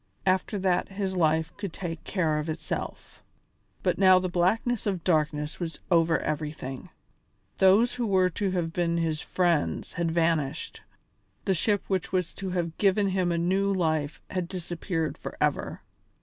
After that his life could take care of itself. But now the blackness of darkness was over everything. Those who were to have been his friends had vanished, the ship which was to have given him a new life had disappeared forever.